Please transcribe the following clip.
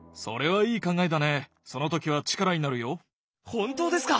本当ですか！？